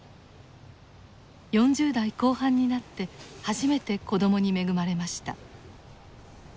４０代後半になって初めて子どもに恵まれました。